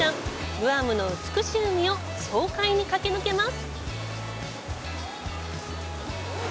グアムの美しい海を爽快に駆け抜けます。